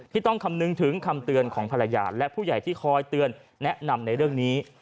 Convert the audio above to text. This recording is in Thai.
ต้องคำนึงถึงคำเตือนของภรรยาและผู้ใหญ่ที่คอยเตือนแนะนำในเรื่องนี้